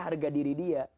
harga diri dia